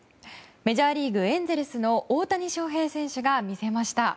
メジャーリーグエンゼルスの大谷翔平選手が見せました。